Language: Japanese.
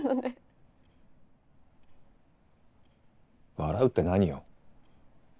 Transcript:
笑うって何を。